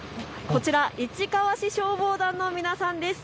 こちら、市川市消防団の皆さんです。